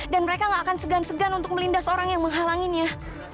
mereka gak akan segan segan untuk melindas orang yang menghalanginya